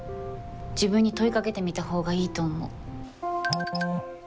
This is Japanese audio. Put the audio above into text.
自分に問いかけてみたほうがいいと思う。